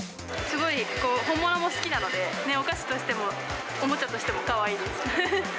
すごい本物も好きなので、お菓子としても、おもちゃとしてもかわいいです。